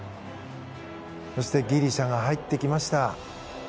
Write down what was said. そしてギリシャが入ってきました。